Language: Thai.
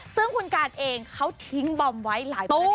ซึ่งคุณการเองเขาทิ้งบอมไว้หลายประเด็น